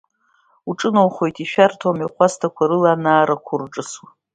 Уҿынаухоит ишәарҭоу амҩахәасҭақәа рыла анаарақәа урҿысуа.